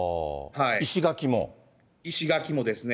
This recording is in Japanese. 石垣もですね。